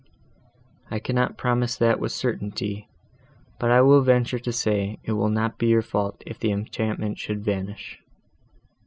"I cannot promise that with certainty, but I will venture to say, it will not be your fault if the enchantment should vanish."